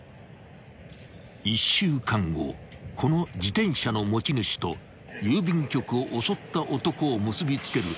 ［この自転車の持ち主と郵便局を襲った男を結びつける］